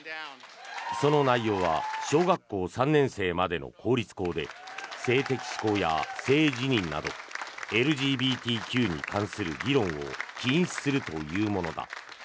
その内容は小学校３年生までの公立校で性的指向や性自認などＬＧＢＴＱに関する議論を禁止するというものだ。